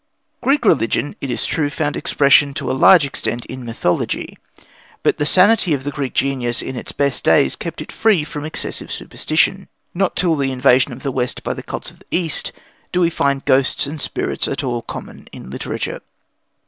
Greek religion, it is true, found expression to a large extent in mythology; but the sanity of the Greek genius in its best days kept it free from excessive superstition. Not till the invasion of the West by the cults of the East do we find ghosts and spirits at all common in literature.